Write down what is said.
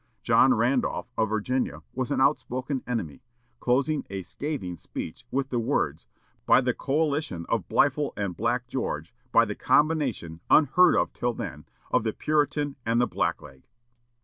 John Randolph of Virginia was an outspoken enemy, closing a scathing speech with the words, "by the coalition of Blifil and Black George by the combination, unheard of till then, of the Puritan with the blackleg."